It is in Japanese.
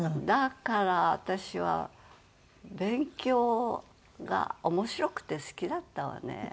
だから私は勉強が面白くて好きだったわね。